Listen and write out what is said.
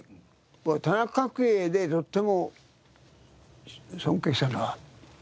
僕は田中角栄でとっても尊敬したのは。